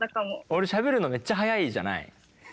俺しゃべるのめっちゃ速いじゃない？